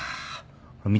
見て。